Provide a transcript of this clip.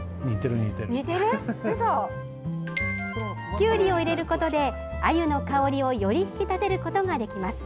きゅうりを入れることであゆの香りをより引き立てることができます。